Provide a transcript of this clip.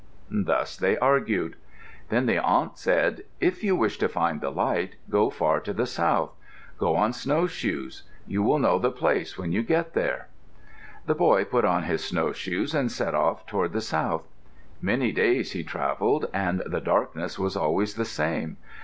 Thus they argued. Then the aunt said, "If you wish to find the light, go far to the south. Go on snowshoes. You will know the place when you get there." The boy put on his snowshoes and set off toward the south. Many days he travelled and the darkness was always the same.